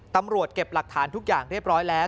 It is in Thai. เก็บหลักฐานทุกอย่างเรียบร้อยแล้ว